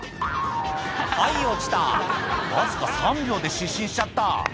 はい落ちたわずか３秒で失神しちゃった